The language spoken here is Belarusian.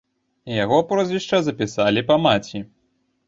Яго прозвішча запісалі па маці.